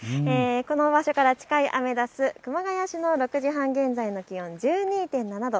この場所から近いアメダス、熊谷市の６時半現在の気温１２．７度。